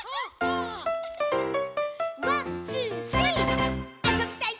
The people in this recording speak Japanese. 「ワンツースリー」「あそびたい！